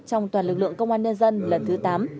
trong toàn lực lượng công an nhân dân lần thứ tám